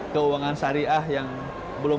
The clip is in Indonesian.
keuangan syariah yang belum